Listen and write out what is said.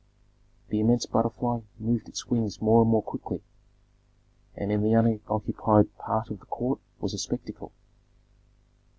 The immense butterfly moved its wings more and more quickly, and in the unoccupied part of the court was a spectacle.